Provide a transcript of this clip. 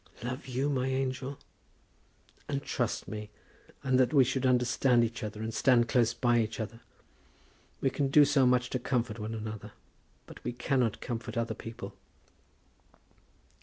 "Love you, my angel!" "And trust me; and that we should understand each other, and stand close by each other. We can do so much to comfort one another; but we cannot comfort other people."